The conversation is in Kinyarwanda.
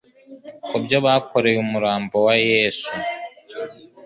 ku byo bakoreye umurambo wa Yesu